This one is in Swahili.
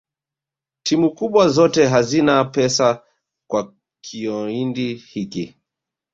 timu kubwa zote hazina pesa kwa kioindi hiki